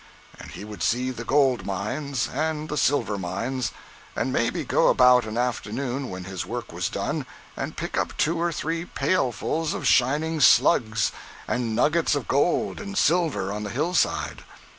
And he would see the gold mines and the silver mines, and maybe go about of an afternoon when his work was done, and pick up two or three pailfuls of shining slugs, and nuggets of gold and silver on the hillside.